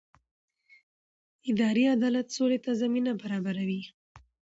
اداري عدالت سولې ته زمینه برابروي